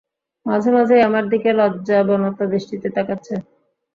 মাঝে মাঝেই আমার দিকে লজ্জাবনত দৃষ্টিতে তাকাচ্ছে।